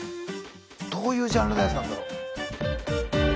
どういうジャンルのやつなんだろ。